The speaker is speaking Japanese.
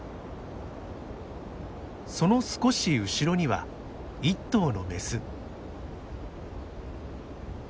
その少し後ろには１頭のメス。